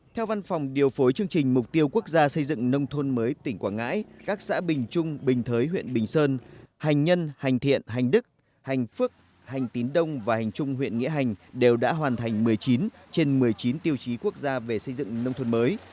theo văn phòng điều phối chương trình mục tiêu quốc gia xây dựng nông thôn mới tỉnh quảng ngãi các xã bình trung bình thới huyện bình sơn hành nhân hành thiện hành đức hành phước hành tín đông và hành trung huyện nghĩa hành đều đã hoàn thành một mươi chín trên một mươi chín tiêu chí quốc gia về xây dựng nông thôn mới